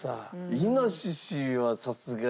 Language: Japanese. イノシシはさすがに。